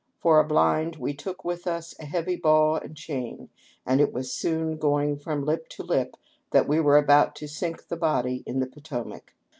For a blind we took with us a heavy ball and chain, and it was soon going from lip to lip that we were about to sink the body in the Potomac.